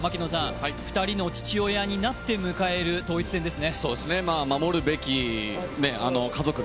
２人の父親になって迎える統一戦ですね。